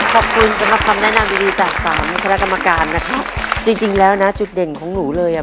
ขอบคุณสำหรับคำแนะนำดีดีจากสามคณะกรรมการนะครับจริงจริงแล้วนะจุดเด่นของหนูเลยอ่ะ